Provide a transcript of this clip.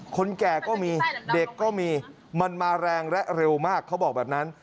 คนแก่ก็มีเด็กก็มีมันมาแรงและเร็วมากเขาบอกแบบนั้น